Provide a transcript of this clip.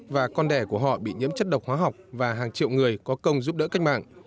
và con đẻ của họ bị nhiễm chất độc hóa học và hàng triệu người có công giúp đỡ cách mạng